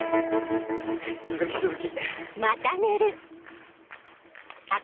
続き続き。